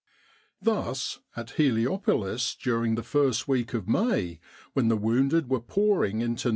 Thus at Heliopolis during the first week of May, when the wounded were pouring into No.